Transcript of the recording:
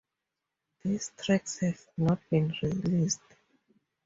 These tracks have not been released.